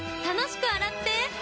楽しく洗っ手！